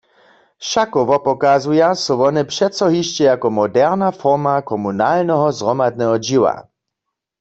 Wšako wopokazuja so wone přeco hišće jako moderna forma komunalneho zhromadneho dźěła.